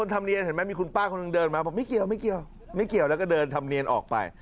แล้วมีคุณป้าคนนึงเดินมาไม่เกี่ยวแล้วก็เดินทำเนียนออกไป